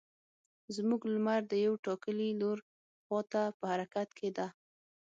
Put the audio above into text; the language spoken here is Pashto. زموږ لمر د یو ټاکلي لور خوا ته په حرکت کې ده.